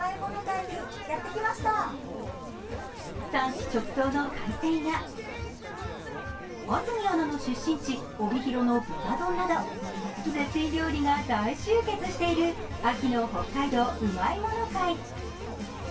産地直送の海鮮や、安住アナの出身地、帯広の豚丼など、絶品料理が大集結している秋の北海道うまいもの会。